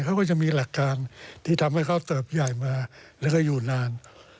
เขาก็จะมีหลักการที่ทำให้เขาเติบใหญ่มาแล้วก็อยู่นาน